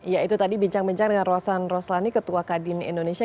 ya itu tadi bincang bincang dengan rosan roslani ketua kadin indonesia